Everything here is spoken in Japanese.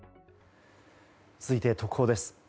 続いて特報です。